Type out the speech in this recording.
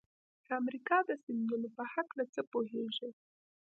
د امریکا د سیندونو په هلکه څه پوهیږئ؟